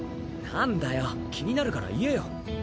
なんだよ気になるから言えよ。